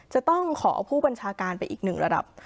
จะต้องขอผู้บัญชาการไปอีกหนึ่งระดับ